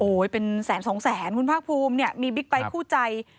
โอ๊ยเป็นแสนสองแสนคุณภาคภูมิมีบิ๊กไบค์คู่ใจ